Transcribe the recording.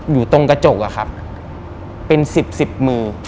อยู่ตรงกระจกอะครับเป็น๑๐๑๐มือ